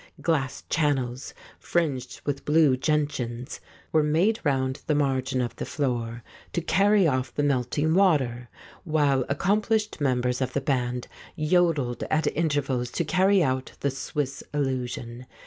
Glass channels, fringed with blue gentians, were »3* The False Step made round the margin of the floor, to carry off the melting water, while accomplished members of the band yodelled at intervals to carry out the Swiss illusion.